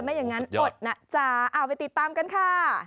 ไม่อย่างนั้นอดนะจ๊ะเอาไปติดตามกันค่ะ